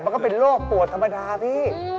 ก็เป็นโรคปวดธรรมดาพี่